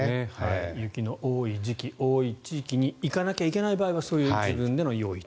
雪の多い時期、多い地域に行かなければいけない場合はそういう、自分での用意と。